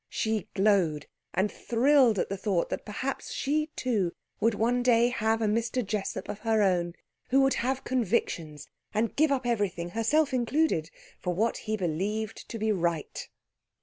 She glowed and thrilled at the thought that perhaps she too would one day have a Mr. Jessup of her own, who would have convictions, and give up everything, herself included, for what he believed to be right.